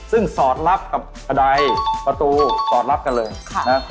ซึ่งสอดรับกับกระดายประตูสอดรับกันเลยนะ